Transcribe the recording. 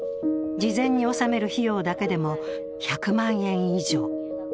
事前に納める費用だけでも１００万円以上。